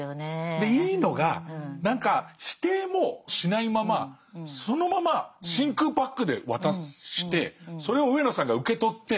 でいいのが何か否定もしないままそのまま真空パックで渡してそれを上野さんが受け取って。